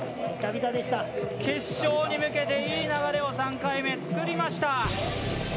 決勝に向けていい流れを３回目、作りました。